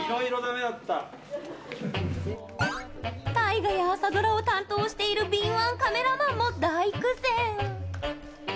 大河や朝ドラを担当している敏腕カメラマンも大苦戦。